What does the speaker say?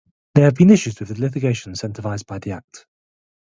There have been issues with litigation incentivized by the Act.